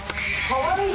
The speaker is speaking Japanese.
はい。